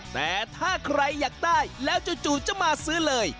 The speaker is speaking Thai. แต่ถ้าใครอยากได้แล้วจู่จะมาซื้อเลย